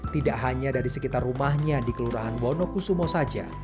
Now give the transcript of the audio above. tidak hanya dari sekitar rumahnya di kelurahan wonokusumo saja